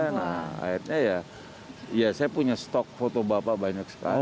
nah akhirnya ya saya punya stok foto bapak banyak sekali